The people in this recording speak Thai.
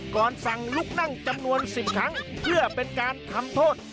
ก่อนสั่งลุกนั่งจำนวน๑๐ครั้งเพื่อเป็นการทำโทษ